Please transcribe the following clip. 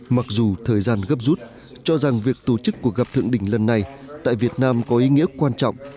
mặc dù thời gian gấp rút cho rằng việc tổ chức cuộc gặp thượng đỉnh lần này tại việt nam có ý nghĩa quan trọng